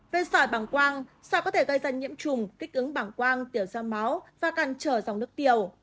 về sỏi bảng quang sỏi có thể gây ra nhiễm trùng kích ứng bảng quang tiểu ra máu và càn trở dòng nước tiểu